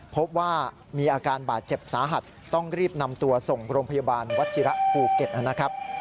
พบว่ามีอาการบาดเจ็บสาหัสต้องรีบนำตัวส่งโรงพยาบาลวัชิระภูเก็ตนะครับ